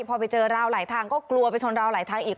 พอไปเจอราวหลายทางก็กลัวไปชนราวไหลทางอีก